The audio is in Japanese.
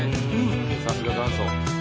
さすが元祖。